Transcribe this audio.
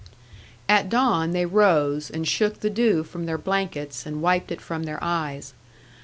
At dawn they rose, and shook the dew from their blankets, and wiped it from their eyes.